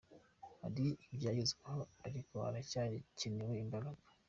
Hari ibyagezweho ariko haracyakenewe imbaraga